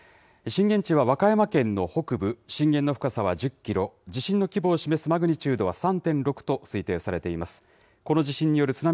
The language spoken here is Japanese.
震源地は和歌山県の北部、震源の深さは１０キロ、地震の規模を示すマグニチュードは３．６と推定されています。